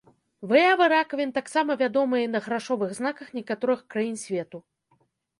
Выявы ракавін таксама вядомыя і на грашовых знаках некаторых краін свету.